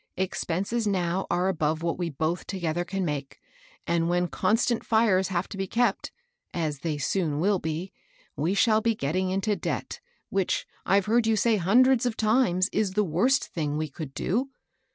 Expenses now are above what we both together can make, and when constant fires have to be kept, — as they soon will be, — we Mabel's new employer. 107 shall be getting into debt, which, I've heard you say hundreds of times, is the worst thing we could do.